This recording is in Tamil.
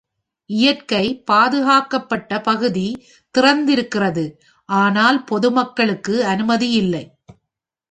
இயற்கை பாதுகாக்கப்பட்ட பகுதி திறந்திருக்கிறது, ஆனால் பொதுமக்களுக்கு அனுமதியில்லை.